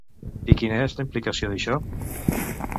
I quina és la implicació d'això?